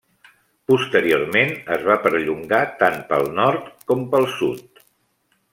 Posteriorment es va perllongar tant pel nord com pel sud.